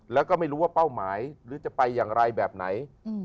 แล้วก็ไม่รู้ว่าเป้าหมายหรือจะไปอย่างไรแบบไหน